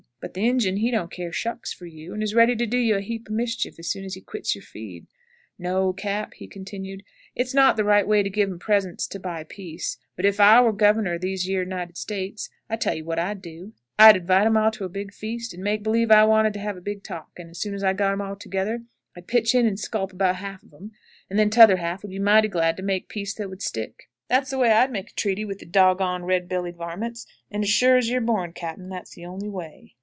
But the Injun he don't care shucks for you, and is ready to do you a heap of mischief as soon as he quits your feed. No, Cap.," he continued, "it's not the right way to give um presents to buy peace; but ef I war governor of these yeer United States, I'll tell you what I'd do. I'd invite um all to a big feast, and make b'lieve I wanted to have a big talk; and as soon as I got um all together, I'd pitch in and sculp about half of um, and then t'other half would be mighty glad to make a peace that would stick. That's the way I'd make a treaty with the dog'ond, red bellied varmints; and as sure as you're born, Cap., that's the only way."